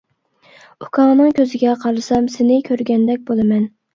ئۇكاڭنىڭ كۆزىگە قارىسام سېنى كۆرگەندەك بولىمەن.